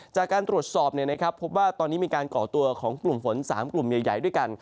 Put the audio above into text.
จากการตรวจสอบพบว่าตอนนี้มีการก่อตัวของกลุ่มฝน๓กลุ่มใหญ่ด้วยกัน